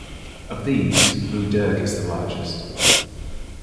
Of these, Lough Derg is the largest.